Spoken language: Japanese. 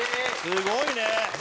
すごいね！